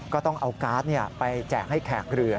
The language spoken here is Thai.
ก็ต้องเอาการ์ดไปแจกให้แขกเรือ